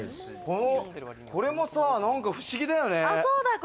これもさ、なんか不思議だよね。